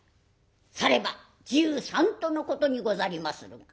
「されば１３とのことにござりまする」。